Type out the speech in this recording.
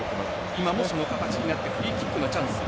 今もそういう形になってフリーキックのチャンス。